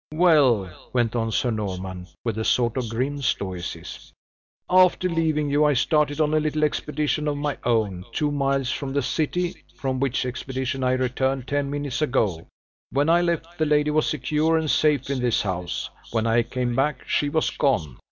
"Well," went on Sir Norman, with a sort of grim stoicism. "After leaving you, I started on a little expedition of my own, two miles from the city, from which expedition I returned ten minutes ago. When I left, the lady was secure and safe in this house; when I came back, she was gone.